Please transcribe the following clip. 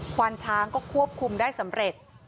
ควานช้างก็ควบคุมได้สำเร็จ